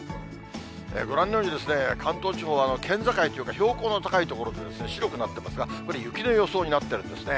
ご覧のように、関東地方は県境というか、標高の高い所で白くなってますが、これ、雪の予想になっているんですね。